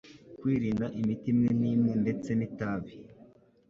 Kwirinda imiti imwe n'imwe ndetse n'itabi